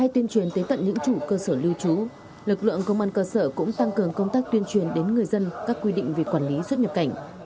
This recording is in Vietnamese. tuyên truyền tới tận những chủ cơ sở lưu trú lực lượng công an cơ sở cũng tăng cường công tác tuyên truyền đến người dân các quy định về quản lý xuất nhập cảnh